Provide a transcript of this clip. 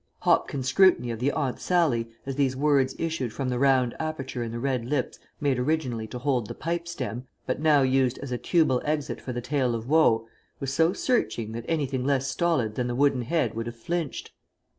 Hopkins' scrutiny of the Aunt Sallie, as these words issued from the round aperture in the red lips made originally to hold the pipe stem, but now used as a tubal exit for the tale of woe, was so searching that anything less stolid than the wooden head would have flinched.